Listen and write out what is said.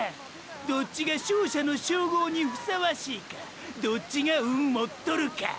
どっちが勝者の称号にふさわしいかどっちが運もっとるか！！